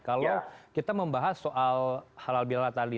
kalau kita membahas soal halal bila tadi